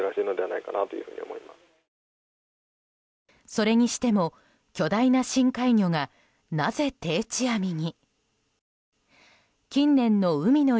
それにしても、巨大な深海魚がなぜ定置網に。